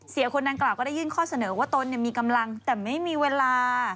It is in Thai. คนดังกล่าวก็ได้ยื่นข้อเสนอว่าตนมีกำลังแต่ไม่มีเวลา